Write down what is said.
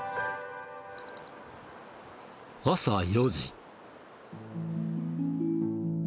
朝４時。